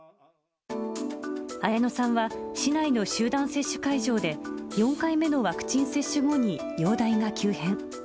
綾乃さんは、市内の集団接種会場で４回目のワクチン接種後に容体が急変。